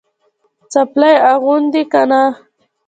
څپلۍ اغوندې که نه؟